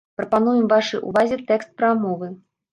Прапануем вашай увазе тэкст прамовы.